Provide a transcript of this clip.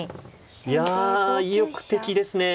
いや意欲的ですね。